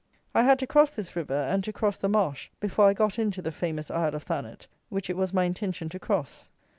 I had to cross this river, and to cross the marsh, before I got into the famous Isle of Thanet, which it was my intention to cross.